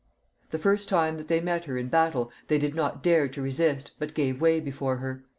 The first time that they met her in battle they did not dare to resist, but gave way before her.